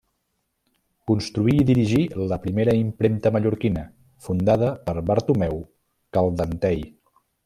Construí i dirigí la primera impremta mallorquina, fundada per Bartomeu Caldentei.